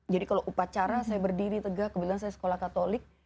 jadi kalau upacara saya berdiri tegak kebetulan saya sekolah katolik